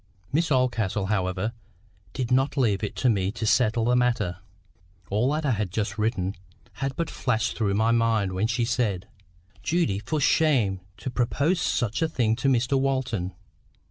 Miss Oldcastle, however, did not leave it to me to settle the matter. All that I have just written had but flashed through my mind when she said:— "Judy, for shame to propose such a thing to Mr Walton!